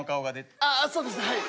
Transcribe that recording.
ああそうですはい。